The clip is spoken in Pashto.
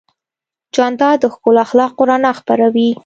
جانداد د ښکلو اخلاقو رڼا خپروي.